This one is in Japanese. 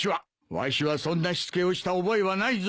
わしはそんなしつけをした覚えはないぞ。